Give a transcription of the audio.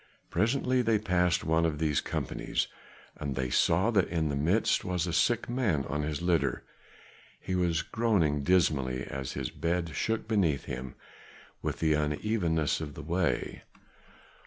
Presently they passed one of these companies, and they saw that in the midst was a sick man on his litter; he was groaning dismally as his bed shook beneath him with the unevenness of the way.